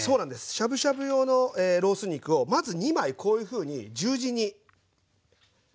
しゃぶしゃぶ用のロース肉をまず２枚こういうふうに十字に並べときます。